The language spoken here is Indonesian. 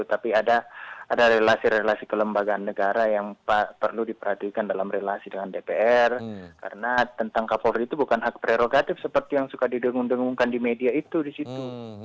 tapi ada relasi relasi kelembagaan negara yang perlu diperhatikan dalam relasi dengan dpr karena tentang kapolri itu bukan hak prerogatif seperti yang suka didengung dengungkan di media itu di situ